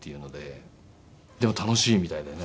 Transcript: でも楽しいみたいでね。